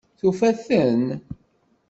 Tufa-ten?